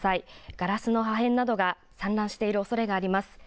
ガラスの破片などが散乱しているおそれがあります。